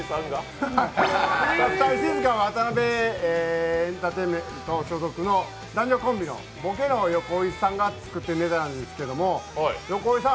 フタリシズカはワタナベエンターテインメント所属の男女コンビの、ボケの横井さんが作ってるネタなんですけど横井さん